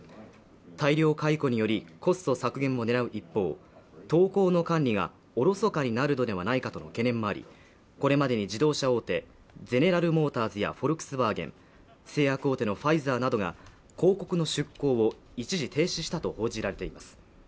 大量解雇によりコスト削減も狙う一方投稿の管理がおろそかになるのではないかとの懸念もありこれまでに自動車大手ゼネラル・モーターズやフォルクスワーゲン製薬大手のファイザーなどが広告の出稿を一時停止したと報じられています